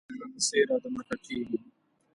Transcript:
روسیه پر له پسې را دمخه کیږي.